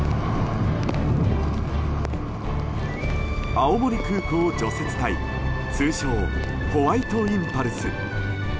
青森空港除雪隊通称ホワイトインパルス。